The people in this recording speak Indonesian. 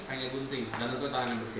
hanya gunting dan tentunya tangan yang bersih